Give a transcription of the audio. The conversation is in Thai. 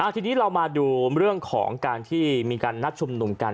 ทีนี้เรามาดูเรื่องของการที่มีการนัดชุมนุมกัน